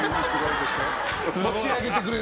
持ち上げてくれる。